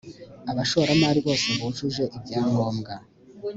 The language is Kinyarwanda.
abashoramari bose bujuje ibyangombwa.